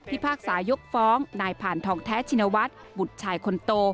พากษายกฟ้องนายผ่านทองแท้ชินวัฒน์บุตรชายคนโต